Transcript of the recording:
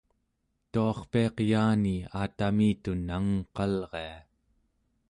tuarpiaq yaani aatamitun nangengqalria